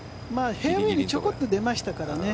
フェアウェーにちょこっと出ましたからね。